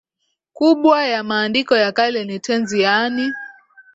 kubwa ya maandiko ya kale ni tenzi yaani